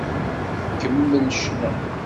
Kemmel ccna!